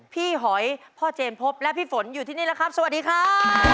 หอยพ่อเจนพบและพี่ฝนอยู่ที่นี่แล้วครับสวัสดีครับ